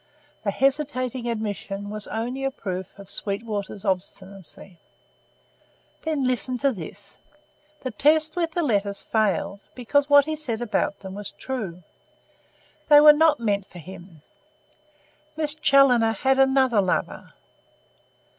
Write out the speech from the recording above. The hesitating admission was only a proof of Sweetwater's obstinacy. "Then listen to this. The test with the letters failed, because what he said about them was true. They were not meant for him. Miss Challoner had another lover."